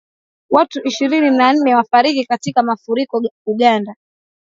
Watu ishirini na nne wafariki katika mafuriko Uganda